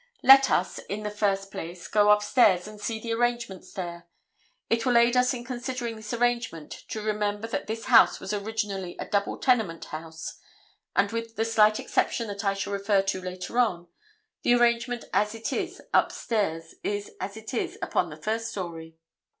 Let us, in the first place, go upstairs and see the arrangements there. It will aid us in considering this arrangement to remember that this house was originally a double tenement house, and with the slight exception that I shall refer to later on, the arrangement as it is upstairs is as it is upon the first story.